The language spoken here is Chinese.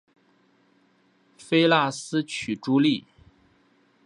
菲腊斯娶茱莉。